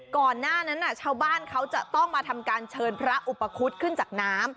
ก่อนหน้านั้นชาวบ้านเขาจะต้องมาทำการเชิญพระอุปคุฎขึ้นจากน้ำ